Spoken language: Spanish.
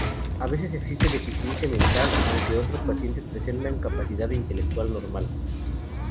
A veces existe deficiencia mental, aunque otros pacientes presentan capacidad intelectual normal.